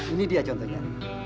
ini dia contohnya